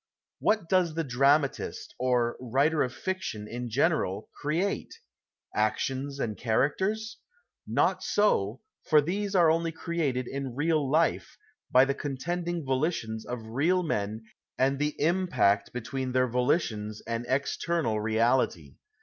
What does the dramatist, or writer of fiction in general, create ? Actions and characters ? Not so, for these are only created in real life, by the contend ing volitions of real men and the impact between their volitions and external reality.